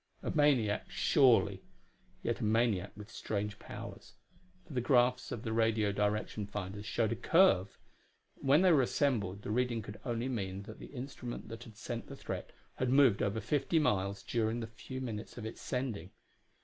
A maniac, surely; yet a maniac with strange powers. For the graphs of the radio direction finders showed a curve. And when they were assembled the reading could only mean that the instrument that had sent the threat had moved over fifty miles during the few minutes of its sending.